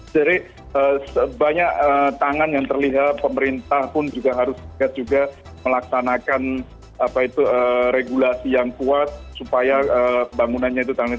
jadi sebanyak tangan yang terlihat pemerintah pun juga harus melaksanakan regulasi yang kuat supaya bangunannya itu tahan gempa